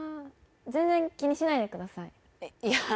全然気にしないでくださいいやー